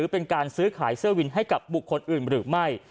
เป็นการซื้อขายเสื้อวินให้กับบุคคลอื่นหรือไม่